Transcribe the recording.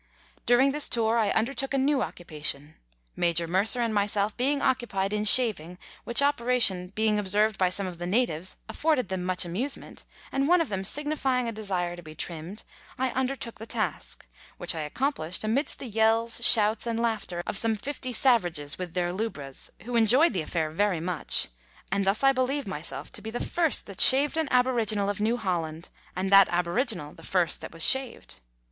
During this tour I undertook a new occupation. Major Mercer and myself being occupied in shaving, which operation being observed by some of the natives afforded them much amusement, and one of them signifying a desire to be trimmed, I undertook the task, which I accomplished amidst the yells, shouts, and laughter of some fifty savages with their lubras, who enjoyed the affair very much ; and thus I believe myself to be the first that shaved an aboriginal of New Holland, and that aboriginal the first that was shaved.